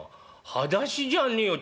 「はだしじゃねえよ。